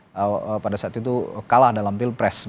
pada saat itu dari pihak yang pada saat itu kalah dalam pilpres